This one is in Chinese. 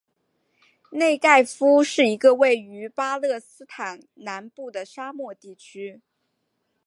内盖夫是一个位于巴勒斯坦南部的沙漠地区。